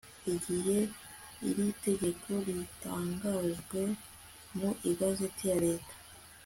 igihe iri tegeko ritangarijwe mu igazeti ya leta